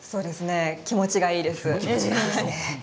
気持ちがいいです。